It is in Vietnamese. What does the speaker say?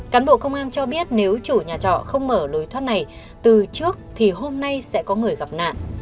cán bộ công an cho biết nếu chủ nhà trọ không mở lối thoát này từ trước thì hôm nay sẽ có người gặp nạn